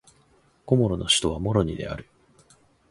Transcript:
コモロの首都はモロニである